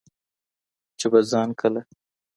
چي به خان کله